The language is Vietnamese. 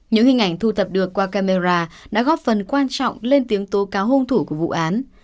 những hình ảnh thu thập được qua camera đã góp phần quan trọng lên tiếng tố cáo hôn thủ của vụ án